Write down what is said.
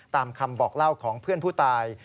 ตามคำบอกเล่าของเพื่อนผู้ตาย